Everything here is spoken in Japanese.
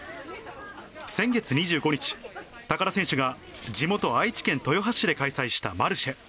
先月２５日、高田選手が地元、愛知県豊橋市で開催したマルシェ。